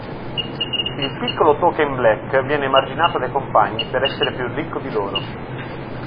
Il piccolo Token Black viene emarginato dai compagni per essere più ricco di loro.